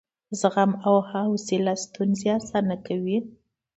زغم او حوصله ستونزې اسانه کوي.